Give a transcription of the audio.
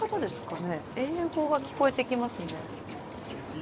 英語が聞こえてきますね。